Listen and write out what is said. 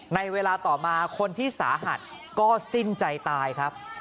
ในเวลาต่อมาคนที่สาหัสก็สิ้นใจตายครับ